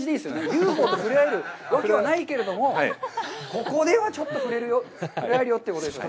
ＵＦＯと触れ合えるわけはないけれども、ここではちょっと触れ合えるよということですね。